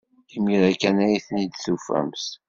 Imir-a kan ay ten-id-tufamt.